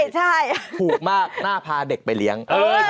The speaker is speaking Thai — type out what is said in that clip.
ใช่ถูกมากน่าพาเด็กไปเลี้ยง